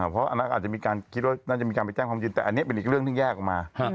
เพราะอันนั้นอาจจะมีการคิดว่าน่าจะมีการไปแจ้งความยินแต่อันนี้เป็นอีกเรื่องที่แยกออกมา